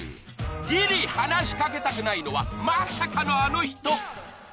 ［ギリ話し掛けたくないのはまさかのあの人］